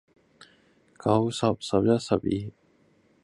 It is also expressed by dendritic cells.